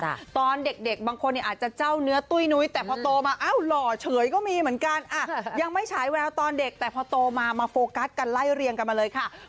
อ่ะตอนเด็กบางคนอาจจะเจ้าเนื้อตุ้ยนุ้ยแต่พอโตมาเอาห่วงขยับก็มีเหมือนการไม่ใช้แววตอนเด็กแต่พอโตมาเต่ามาโฟกัสกันไล่เรียงกันมาเลยค่ะ